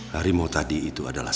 harimau tadi itu adalah